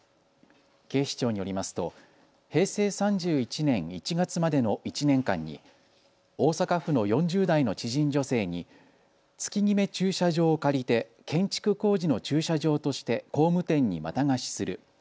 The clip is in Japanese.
警視庁によりますと平成３１年１月までの１年間に大阪府の４０代の知人女性に月ぎめ駐車場を借りて建築工事の駐車場として工務店にまた貸しする。